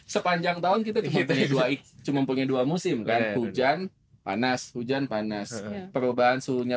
sepanjang tahun kita dihitung cuma punya dua musim kan hujan panas hujan panas perubahan suhunya